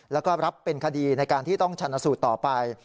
แล้วก็รับเป็นคดีในการที่ต้องชันสูตรต่อไป